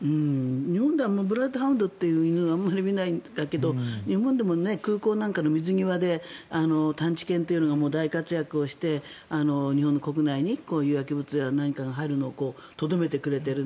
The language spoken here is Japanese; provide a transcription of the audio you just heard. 日本ではブラッドハウンドっていう犬あまり見ないんだけど日本でも空港なんかの水際で探知犬というのが大活躍をして、日本国内にこういう薬物や何かが入るのをとどめてくれている。